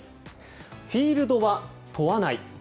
フィールドは問わない。